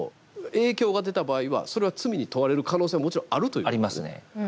影響が出た場合はそれは罪に問われる可能性はもちろんあるということですね。